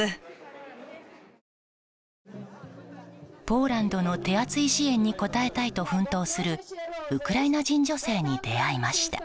ポーランドの手厚い支援に応えたいと奮闘するウクライナ人女性に出会いました。